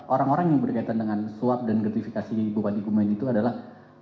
orang orang yang berkaitan dengan suap dan gratifikasi bupati gumen itu adalah